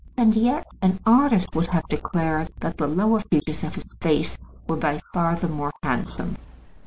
And yet an artist would have declared that the lower features of his face were by far the more handsome.